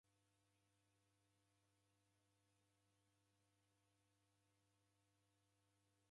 W'andu w'a siasa repinga w'akumbia w'aisanga sheshe.